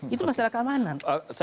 itu masalah keamanan